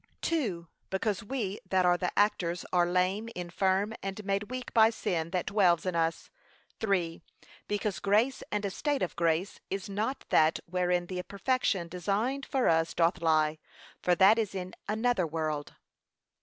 (2.) Because we that are the actors are lame, infirm, and made weak by sin that dwells in us. (3.) Because grace and a state of grace is not that wherein the perfection designed for us doth lie, for that is in another world.